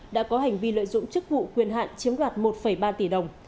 đã có hành vi lợi dụng chức vụ quyền hạn chiếm đoạt một ba tỷ đồng